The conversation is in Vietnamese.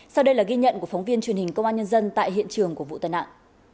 sau đây là ghi nhận của phóng viên truyền hình công an nhân dân tại hiện trường của vụ tai nạn